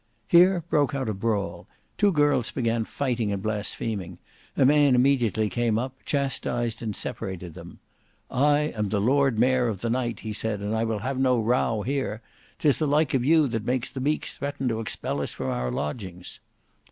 Here broke out a brawl: two girls began fighting and blaspheming; a man immediately came up, chastised and separated them. "I am the Lord Mayor of the night," he said, "and I will have no row here. 'Tis the like of you that makes the beaks threaten to expel us from our lodgings."